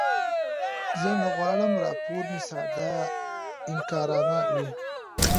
زه نه غواړم راپور مې ساده انګارانه وي.